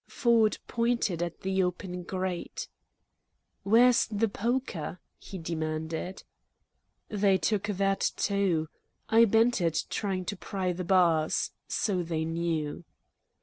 Ford pointed at the open grate. "Where's the poker?" he demanded. "They took that, too. I bent it trying to pry the bars. So they knew."